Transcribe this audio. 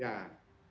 ya jadi kami